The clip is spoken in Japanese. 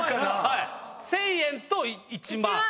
１０００円と１万。